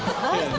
はい